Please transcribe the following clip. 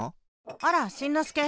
あらしんのすけ。